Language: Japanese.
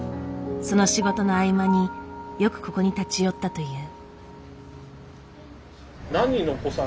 その仕事の合間によくここに立ち寄ったという。